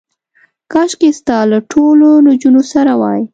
کاشکې ستا له ټولو نجونو سره وای.